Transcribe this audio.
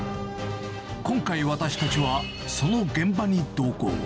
今回私たちは、その現場に同行。